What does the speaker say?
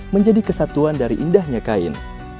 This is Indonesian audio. menjadi kesatuan dari indahnya kain